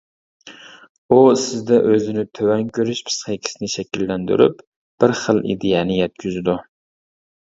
ئۇ سىزدە ئۆزىنى تۆۋەن كۆرۈش پىسخىكىسىنى شەكىللەندۈرۈپ، بىر خىل ئىدىيەنى يەتكۈزىدۇ.